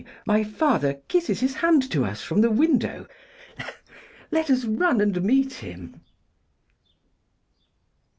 my father kisses his hand to us from the window. Let us run and meet him.